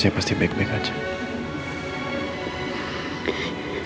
habis itu aku ia bahkan